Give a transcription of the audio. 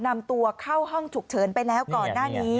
นำตัวเข้าห้องฉุกเฉินไปแล้วก่อนหน้านี้